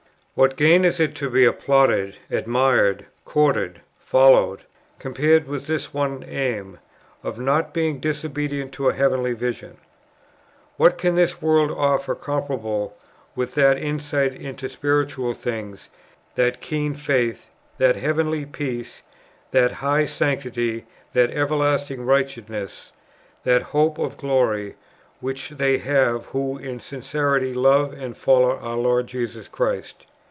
What gain is it to be applauded, admired, courted, followed, compared with this one aim, of not being disobedient to a heavenly vision? What can this world offer comparable with that insight into spiritual things, that keen faith, that heavenly peace, that high sanctity, that everlasting righteousness, that hope of glory, which they have, who in sincerity love and follow our Lord Jesus Christ?